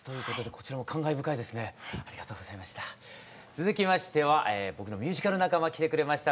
続きましては僕のミュージカル仲間来てくれました。